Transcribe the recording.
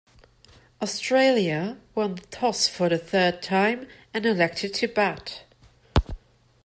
Australia won the toss for the third time and elected to bat.